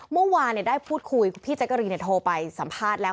เมื่อวานได้พูดคุยพี่แจ๊กกะรีนโทรไปสัมภาษณ์แล้ว